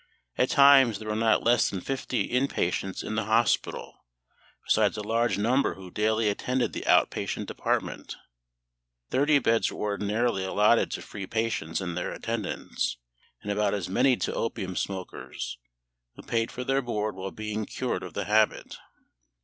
At times there were not less than fifty in patients in the hospital, besides a large number who daily attended the out patient department. Thirty beds were ordinarily allotted to free patients and their attendants; and about as many to opium smokers, who paid for their board while being cured of the habit.